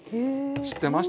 知ってました？